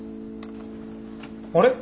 あれ？